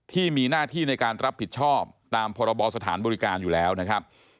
ที่มีหน้าที่ในการรับผิดชอบตามพรบสถานบริการอยู่แล้วนะครับ